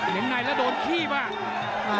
เห็นในแล้วโดนคีบอ่ะ